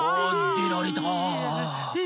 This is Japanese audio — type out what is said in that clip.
でられた！